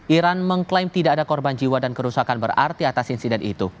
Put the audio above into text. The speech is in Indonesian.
iran mengklaim tidak ada korban jiwa dan kerusakan berarti atas insiden itu